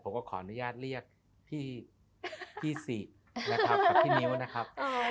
ผมก็ขออนุญาตเรียกพี่สี่นะคะกับพี่นิ้วนะครับ